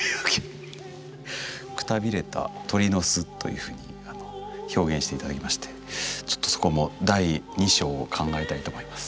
「くたびれた鳥の巣」というふうに表現して頂きましてちょっとそこも第二章を考えたいと思います。